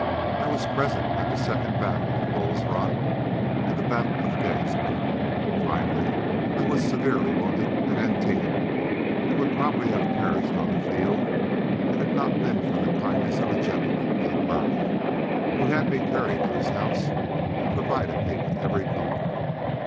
I was present at the second battle of Bull's Run and at the battle of Gettysburg. Finally, I was severely wounded at Antietam, and would probably have perished on the field had it not been for the kindness of a gentleman named Murray, who had me carried to his house and provided me with every comfort.